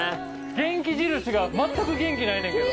元気印がまったく元気ないねんけど。